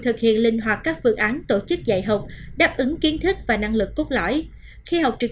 thực hiện linh hoạt các phương án tổ chức dạy học đáp ứng kiến thức và năng lực cốt lõi khi học trực